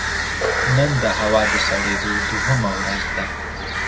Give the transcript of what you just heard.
نن د هوا د سړېدو دوهمه ورځ ده